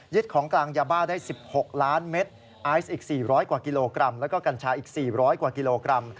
ของกลางยาบ้าได้๑๖ล้านเมตรไอซ์อีก๔๐๐กว่ากิโลกรัมแล้วก็กัญชาอีก๔๐๐กว่ากิโลกรัม